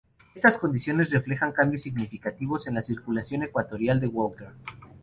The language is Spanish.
Estas condiciones reflejan cambios significativos en la circulación ecuatorial de Walker.